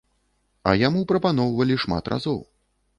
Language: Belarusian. А яму прапаноўвалі шмат разоў.